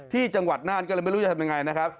ที่จังหวัดน่านก็เลยไม่รู้จะทำยังไงนะครับ